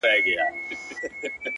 پر تك سره پلـــنــگ،